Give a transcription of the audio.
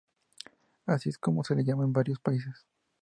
Así es como se le llama en varios países.